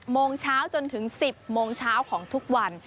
โมงเช้าจนถึง๑๐โมงเช้าของทุกวัน